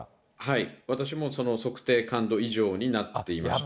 私もその測定感度以上になっていました。